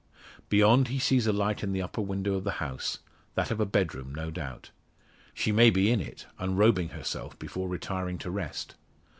Beyond he sees a light in the upper window of the house that of a bedroom no doubt. She may be in it, unrobing herself, before retiring to rest.